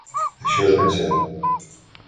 Això és ben cert.